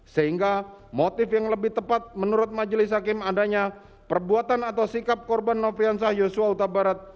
sehingga motif yang lebih tepat menurut majelis hakim adanya perbuatan atau sikap korban nofriansah yosua utabarat